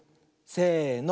せの。